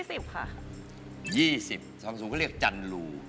๒๐ทองสูงเขาเรียกจันรู